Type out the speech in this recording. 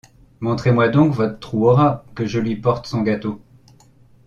Montrez-moi donc votre Trou aux Rats, que je lui porte son gâteau.